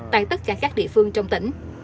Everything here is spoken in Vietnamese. tại tất cả các địa phương trong tỉnh